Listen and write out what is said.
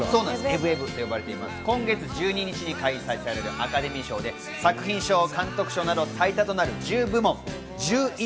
今月１２日に開催されるアカデミー賞で作品賞、監督賞など最多となる１０部門１１